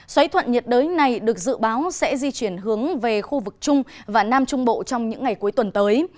xoáy thuận nhiệt đới này được dự báo sẽ di chuyển hướng về khu vực trung và nam trung bộ trong những ngày cuối tuần tới